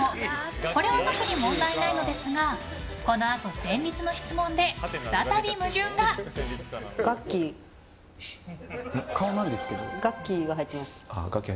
これは特に問題ないのですがこのあと戦慄の質問でガッキーが入ってます。